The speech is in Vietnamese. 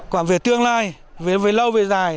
còn về tương lai về lâu về dài